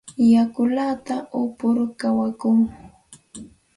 Yakullata upukur kawakuu.